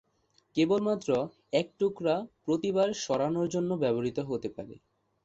কেবলমাত্র এক টুকরা প্রতি বার সরানোর জন্য ব্যবহৃত হতে পারে।